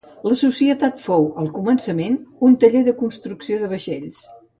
La societat fou al començament un taller de construcció de vaixells.